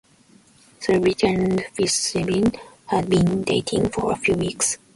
Savitch and Fischbein had been dating for a few weeks.